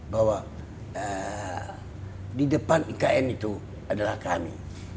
bahwa di depan ikn itu adalah kami